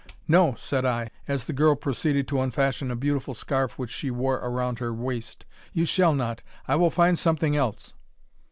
"No!" said I, as the girl proceeded to unfasten a beautiful scarf which she wore around her waist; "you shall not: I will find something else."